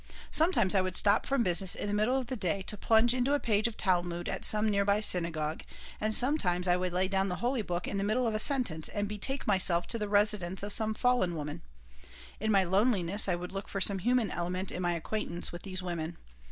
Sometimes I would stop from business in the middle of the day to plunge into a page of Talmud at some near by synagogue, and sometimes I would lay down the holy book in the middle of a sentence and betake myself to the residence of some fallen woman In my loneliness I would look for some human element in my acquaintance with these women.